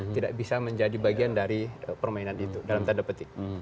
tidak bisa menjadi bagian dari permainan itu dalam tanda petik